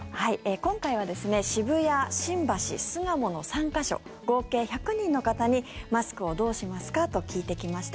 今回は渋谷、新橋、巣鴨の３か所合計１００人の方にマスクをどうしますか？と聞いてきました。